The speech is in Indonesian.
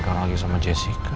karena lagi sama jessica